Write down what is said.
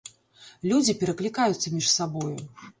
Людзі пераклікаюцца між сабою.